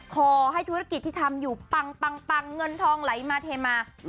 ขอให้ธุรกิจที่ทำอยู่ปังเงินทองไหลมาเทมา